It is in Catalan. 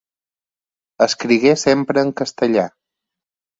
Escrigué sempre en castellà.